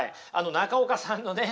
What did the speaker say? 中岡さんのね